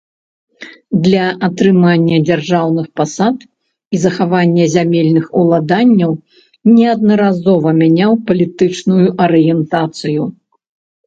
Для атрымання дзяржаўных пасад і захавання зямельных уладанняў неаднаразова мяняў палітычную арыентацыю.